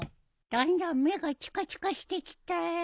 だんだん目がチカチカしてきたよ。